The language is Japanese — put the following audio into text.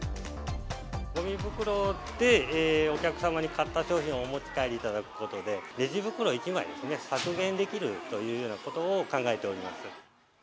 ごみ袋でお客様が買った商品をお持ち帰りいただくことで、レジ袋１枚削減できるというようなことを考えております。